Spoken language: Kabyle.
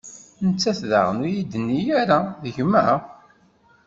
Nettat daɣen ur yi-d-tenni ara: D gma?